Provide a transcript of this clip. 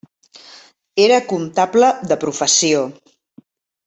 Era comptable de professió.